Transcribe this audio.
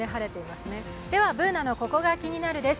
ではＢｏｏｎａのココがキニナルです